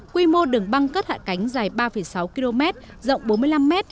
quy mô đường băng cất hạ cánh dài ba sáu km rộng bốn mươi năm m